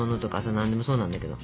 何でもそうなんだけど。